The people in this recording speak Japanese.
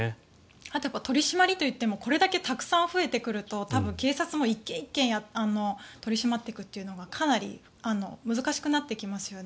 あと取り締まりといってもこれだけたくさん増えてくると多分、警察も１件１件取り締まっていくというのがかなり難しくなってきますよね。